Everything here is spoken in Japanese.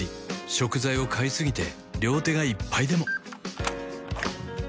食材を買いすぎて両手がいっぱいでも